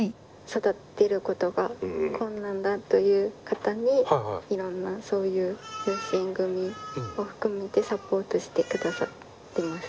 育てることが困難だという方にいろんなそういう養子縁組を含めてサポートしてくださってます。